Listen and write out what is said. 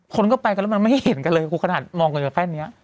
คนก็ไปกันแล้วเราก็ไม่เห็นกันเลยขนาดมองคณ์แบบนี้